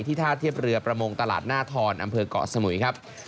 ท่าเทียบเรือประมงตลาดหน้าทรอำเภอกเกาะสมุยครับ